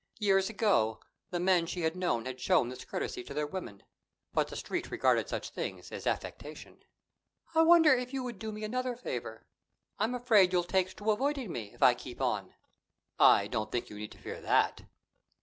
Years ago, the men she had known had shown this courtesy to their women; but the Street regarded such things as affectation. "I wonder if you would do me another favor? I'm afraid you'll take to avoiding me, if I keep on." "I don't think you need fear that."